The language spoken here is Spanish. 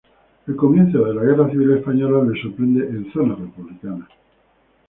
El comienzo de la Guerra Civil Española le sorprende en zona republicana.